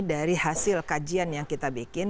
dari hasil kajian yang kita bikin